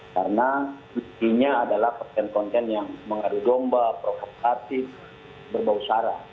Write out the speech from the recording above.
karena intinya adalah content content yang mengadu domba profitatif berbau sara